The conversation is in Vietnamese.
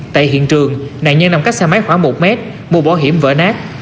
tại hiện trường nạn nhân nằm cách xe máy khoảng một m mùa bỏ hiểm vỡ nát